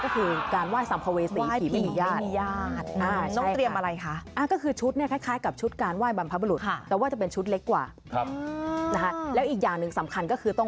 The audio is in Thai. เพราะเราจะไม่เชิญสัมภเวษีเข้ามาในบ้านก่อน